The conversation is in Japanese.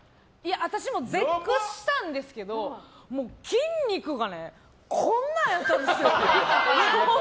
私も絶句したんですけどもう筋肉がねこんなんやったんですよ。